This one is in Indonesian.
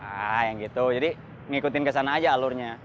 ah yang gitu jadi ngikutin ke sana aja alurnya